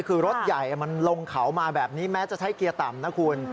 คือรถใหญ่มันลงเขามาแบบนี้แม้จะใช้เกียร์ต่ำนะคุณ